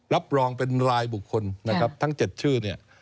รับรองเป็นรายบุคคลนะครับทั้ง๗ชื่อเนี่ย